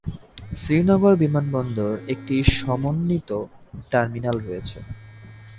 শ্রীনগর বিমানবন্দর একটি সমন্বিত টার্মিনাল রয়েছে।